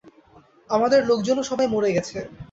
আমাদের লোকজনও সবাই মরে গেছে।